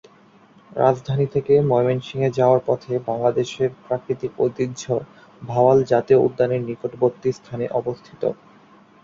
রাজধানী থেকে ময়মনসিংহে যাওয়ার পথে বাংলাদেশের প্রাকৃতিক ঐতিহ্য ভাওয়াল জাতীয় উদ্যানের নিকটবর্তী স্থানে অবস্থিত।